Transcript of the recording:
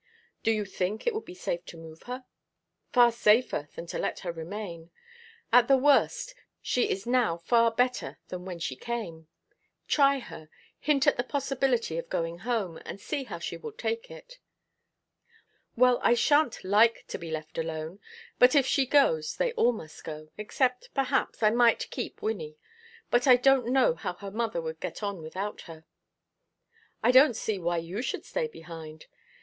"Do you think it would be safe to move her?" "Far safer than to let her remain. At the worst, she is now far better than when she came. Try her. Hint at the possibility of going home, and see how she will take it." "Well, I sha'n't like to be left alone; but if she goes they must all go, except, perhaps, I might keep Wynnie. But I don't know how her mother would get on without her." "I don't see why you should stay behind.